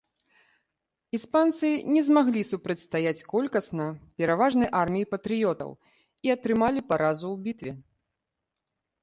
Іспанцы не змаглі супрацьстаяць колькасна пераважнай арміі патрыётаў і атрымалі паразу ў бітве.